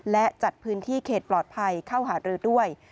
และจัดพื้นที่เขตปลอดภัยเข้าหารือด้วย